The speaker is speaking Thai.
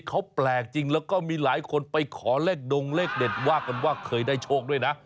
เขาแปลกจริงแล้วก็มีหลายคนไปขอเลขดงเลขเด็ดว่ากันว่าเคยได้โชคด้วยนะ